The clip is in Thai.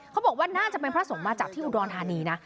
เขาบอกว่าน่านจะไปพระสมภาพจับที่อุรรณฐานีนะ